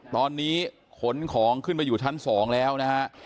ตอนนี้ขนของขึ้นไปอยู่ชั้น๒แล้วนะฮะ